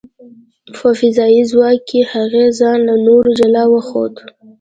په فضايي ځواک کې، هغې ځان له نورو جلا وښود .